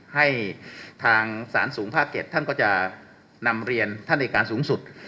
ให้ทางสารสูงภาค๗ท่านก็จะนำเรียนท่านอายการสูงสุด